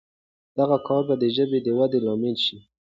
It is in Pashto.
دغه کار به د ژبې د ودې لامل شي.